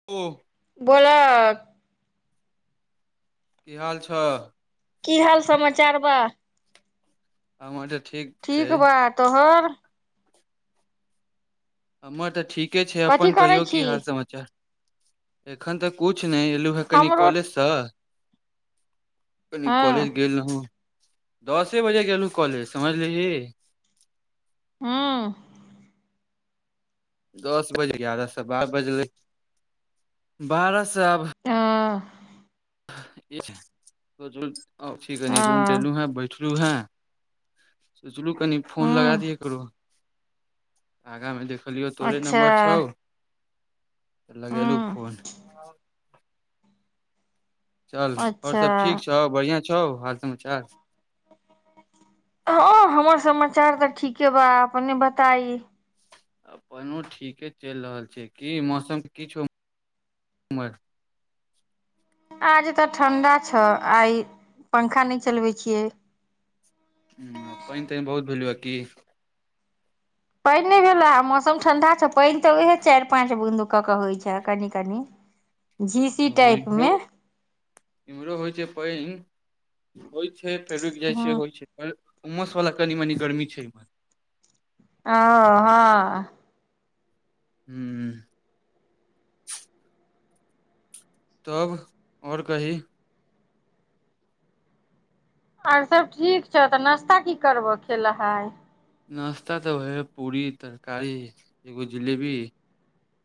[unintelligible] बोलअ की हाल छ की हाल समाचार बा हमर तऽ ठीक छै ठीक बा तोहर हमर तऽ ठीके छै कथी अपन करै कहियो छी की हाल समाचार एखन तऽ कुछ नै एलु कनि हमरो कॉलेजसँ कनि कॉलेज हँ गेल रहुँ दसे बजे गेलहुँ कॉलेज समझलीही हँ दस बजे गारह से बारह बज गेल बारह सँ आब अ [unintelligible] रूम पे एलु है बैठलू हे सोचलहु कनि फोन लगा हूँ दिये ककरो आगा मे देखलियौ तोरे अच्छा नम्बर छौ तऽ लगेलहुँ हूँ फोन चल आओर अच्छा सब ठीक छौ बढ़िआँ छौ हाल समाचार हँ हमर समाचार तऽ ठीके बा अपने बताई अपनो ठीके चलि रहल छै की मौसम कि छोअ उमहर आज तऽ ठंडा छ आइ पंखा नहि चलबे छियै हुँ पानि तानि बहुत भेलू ह की पानि नहि भेलए आ मौसम ठण्डा छै पानि तऽ उहे चारि पाँच बुन्दू कऽ कऽ होइत छै कनि कनि झीसी ओ टाइप इमहरो मे इम्हरो होइ छै पानि होइत छै फेर रुकि जाइ छै हँ हो छै उमस वाला कनी मनी गर्मी छै ओ हँ हूँ तब ओर कही आर सब ठीक छौ तऽ नाश्ता की करबह खेल आय नाश्ता तऽ वहे पूरी तरकारी एगो जिलेबी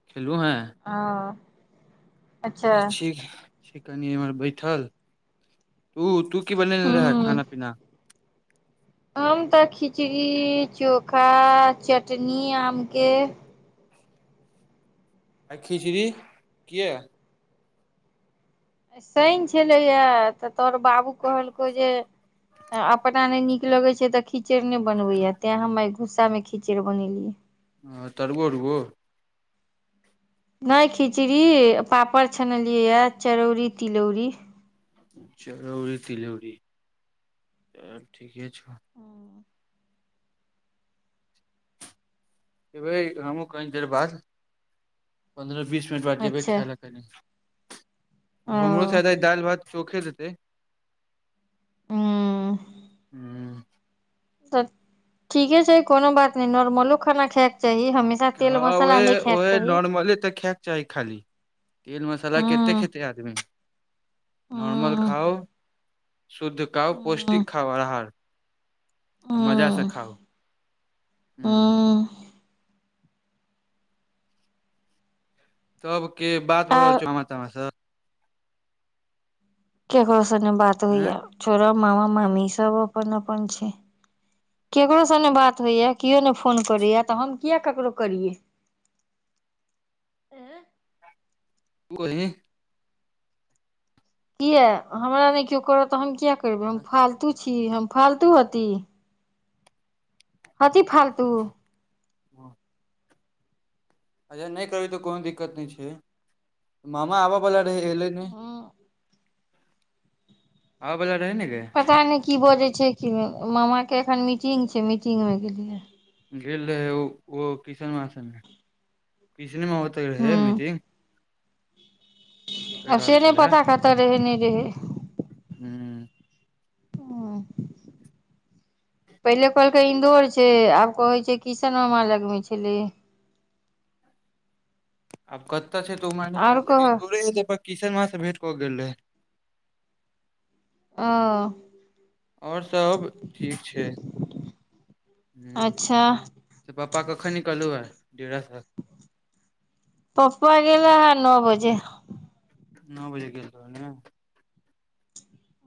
खेलूँ है अ छी छी कनी इम्हर बैठल तू तु की बनेनेे हूँ रहै खाना पीना हम तऽ खिचड़ी चोखा चटनी आमके आय खिचड़ी किए आय सैन छलै या तऽ तोहर बाबू कहलकौ जे अपना नै नीक की लगे छै ते खिचैड़ ने बनवे या तेय हम आय गुस्सा मे खिचैड़ बनेलियै हँ तरुओ उरुओ नहि खिचड़ी पापड़ छनलियै यए चरौरी तिलौरी चिरोरी तिलौरी त ठीके छौ एबे हमहु कनि देर बाद पंन्द्रह बीस मिनट बाद जेबे अच्छा खाय लऽ ओ हमरोसँ दाल भात चोखा देतै। हूँ हू तऽ ठीक छै, कोनो बात नहि। नॉर्मल खाना खायके चाही हमे। हँ, ओहे ओहे, नॉर्मले तऽ खायके चाही खाली। तेल मसाला कतेक हूँ खैतै आदमी? नॉर्मल हूँ खाउ, शुद्ध खाउ, हूँ पौष्टिक आहार खाउ। आ मजासँ हूँ खाउ ह हूँ तऽ की बात भऽ आर रहल छै, ओमा तोमा से? केकरोसँ बात ऐं होइए, छोरा मामा मामी सभ अपन अपन छै। केकरोसँ नहि बात होइए, केओ नहि फोन करैए, तऽ हम किए ककरो करी? तू हिही [unintelligible] किए, हमरा नहि केओ करत तऽ हम किए करबै? हम फालतू छी, हम फालतू हती। हँसी फालतू। हँ अच्छा, नहि करबै तऽ कोनो दिक्कत नहि छै मामा आब। पल होलैनि। आओ वाला रहै ने कऽ? पता नहि की बजै छै कि मामाके एखन मीटिंग छै, मीटिंगमे गेलियै। गेल रहै ओ, ओ किशन मासमे। किसने होत रहै हूँ मीटिंग। कहि आब रहल से नहि छलै पता, कतय रहै, नहि रहै। हू हूँ [inaudible] पहिने कहलकै इन्दौर छै, आब कहै छै किशन मामाके लगमे छलै। आब कतेक छै आओर कहऽ तऽ ओ किशन मामासँ भेटि कऽ गेल रहै। ओ आओर सभ ठीक छै। अच्छा पप्पा, कखन निकलू हँ डेरासँ? पप्पा गेले हँ, नओ बजे। नओ बजे गेल रहै ने।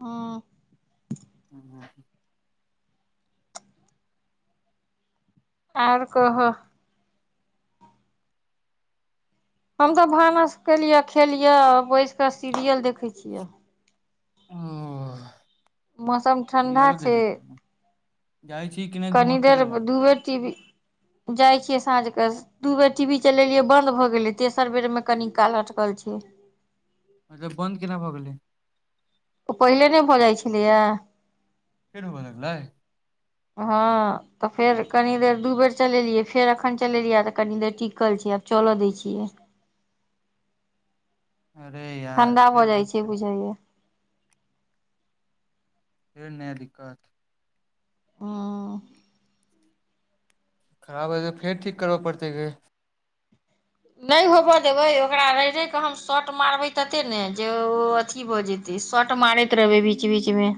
ह ह ओर कहा? हम तऽ भानस केलियै, खेलियै, बैस कऽ सीरियल देखै छियै। ओ मौसम ठंडा सीरियलो छै। देखै छी जाइ छी कि? नहि कनी घूमय देर फिरै लए दू एखन? बेर टी वी देखै छियै साँझक। दू बेर टी वी चलेलियै, बन्द भऽ गेलै, तेसर बेरमे कनि काल लटकल छै। अच्छा तऽ बन्द केना भऽ गेले? ओ पहिले नहि भऽ जाइ छलैए। फेर होबऽ लगलै। हँ, तऽ फेर कनि देर दू बेर चलेलियै, फेर एखन चलेलियै तऽ कनि देर टिकल छै। चलऽ दै छियै। अरे यार, ठंडा भऽ फेर जाइ छै देखतै। बुझाइये फेर नया दिक्कत। हॅं खराब छै तऽ फेर ठीक करबऽ पड़तै गे। नहि होबऽ देबै ओकरा, रहि रहि कऽ हम शॉर्ट मारबै तते ने जे ओ एते भऽ जेतै। शॉर्ट मारैत रहबै बीच बीचमे।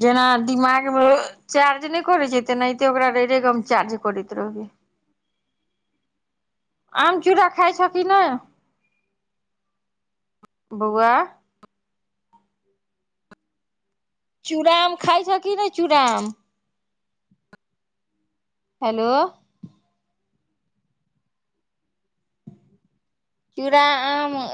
जेना दिमागमे चार्ज नहि करैत छै तेनाहिते ओकरा रहि रहि कऽ हम चार्ज करैत रहबै [inaudible] आम चूड़ा खाइ छऽ कि नैय बोआ चूड़ा आम खाय छऽ कि नइ चूड़ाआम हेलो चूड़ा आम